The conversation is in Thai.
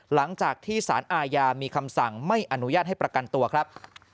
หลังจากที่สารอาญามีคำสั่งไม่อนุญาตให้ประกันตัวครับ